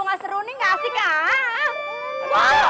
ngapain pada bulan